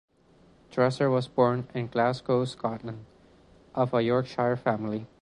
Dresser was born in Glasgow, Scotland, of a Yorkshire family.